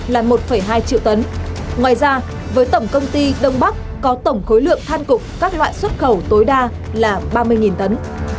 là một hai triệu tấn ngoài ra với tổng công ty đông bắc có tổng khối lượng than cục các loại xuất khẩu tối đa là ba mươi tấn